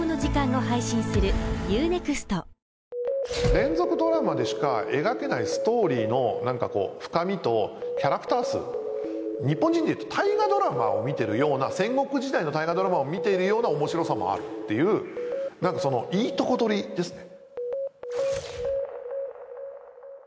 連続ドラマでしか描けないストーリーのなんかこう深みとキャラクター数日本人でいうと大河ドラマを見てるような戦国時代の大河ドラマを見ているような面白さもあるっていうなんかそのいいとこ取りですね